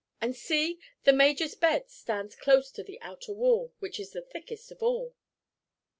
And see! the major's bed stands close to the outer wall, which is the thickest of all."